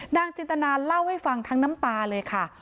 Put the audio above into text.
จินตนาเล่าให้ฟังทั้งน้ำตาเลยค่ะ